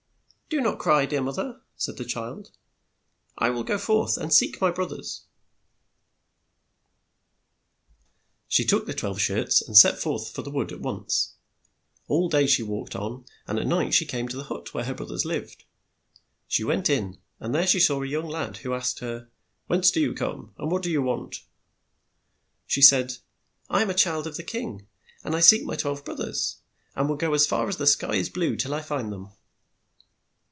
"'Do not cry, dear moth er," said the child, "I will go forth and seek my broth ers." 1 22 THE TWELVE BROTHERS She took the twelve shirts and set forth for the wood at once. All day she walked on and at night she came to the hut where her broth ers lived. She went in, and there she saw a young lad, who asked her, "Whence do you come, and what do you want?" She said, "I am the child of a king, and I seek my twelve broth ers, and will go as far as the sky is blue till I find them.